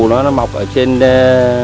rồi các loài thuốc chứa r guess what